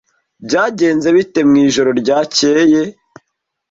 Byagenze bite mwijoro ryakeye?